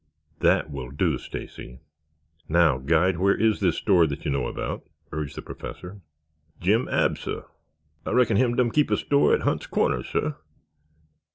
"That will do, Stacy. Now, guide, where is this store that you know about?" urged the Professor. "Jim Abs', sah. Ah reckon him done keep a store at Hunt's Corners, sah."